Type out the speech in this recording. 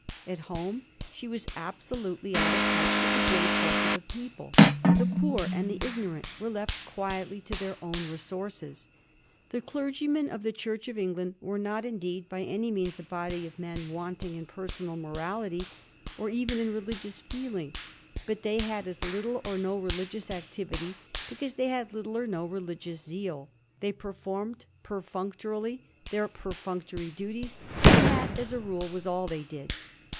At home she was abso lutely out of touch with the great bulk of the people. The poor and the ignorant were left quietly to their own resources. The clergymen of the Church of England were not indeed by any means a body of men wanting in personal morality, or even in religious feeling, but they had as little or no religious activity because they had lit tle or no religious zeal. They performed perfunctorily their perfunctory duties; and that, as a rule, was all they did.